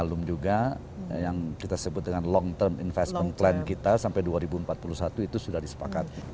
dan belum juga yang kita sebut dengan long term investment plan kita sampai dua ribu empat puluh satu itu sudah disepakati